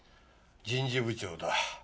人事部長だ。